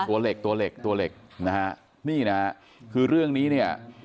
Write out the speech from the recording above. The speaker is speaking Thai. ตัวเหล็กตัวเหล็กตัวเหล็กนะฮะนี่นะฮะคือเรื่องนี้เนี่ย